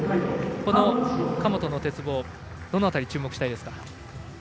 神本の鉄棒はどの辺り注目したいですか。